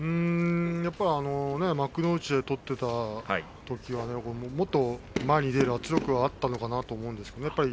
幕内で取ってたときはもっと前に出る圧力があったのかなと思いますけれどもね。